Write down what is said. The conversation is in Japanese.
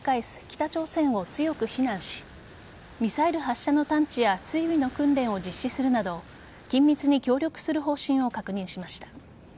北朝鮮を強く非難しミサイル発射の探知や追尾の訓練を実施するなど緊密に協力する方針を確認しました。